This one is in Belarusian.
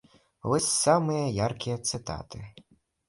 Вось самыя яркія цытаты.